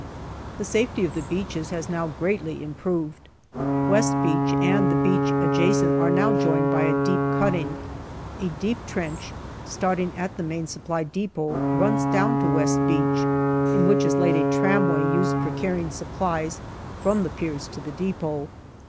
The safety of the beaches has now greatly improved. West Beach and the beach adjacent are now joined by a deep cutting. A deep trench, starting at the Main Supply depot, runs down to West Beach, in which is laid a tramway used for carrying supplies from the piers to the depot.